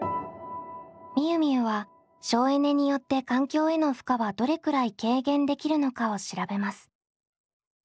みゆみゆは省エネによって環境への負荷はどれくらい軽減できるのかを調べます。